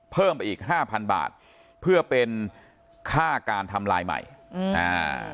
เพิ่มไปอีกห้าพันบาทเพื่อเป็นค่าการทำลายใหม่อืมอ่า